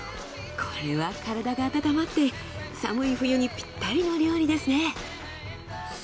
これは体が温まって寒い冬にピッタリのお料理ですね。